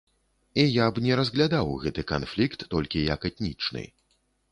І я б не разглядаў гэты канфлікт толькі як этнічны.